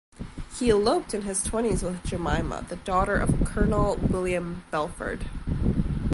He eloped in his twenties with Jemima, the daughter of Colonel William Belford.